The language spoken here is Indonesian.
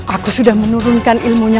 aku sudah menurunkan ilmunya